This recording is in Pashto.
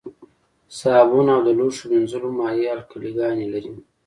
صابون او د لوښو مینځلو مایع القلي ګانې لري.